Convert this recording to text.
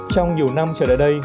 trong nhiều năm trở lại đây